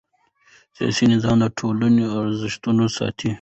سیاسي نظام د ټولنې ارزښتونه ساتي